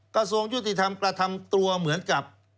กระทรวงยุติธรรมกระทำตัวเหมือนกับ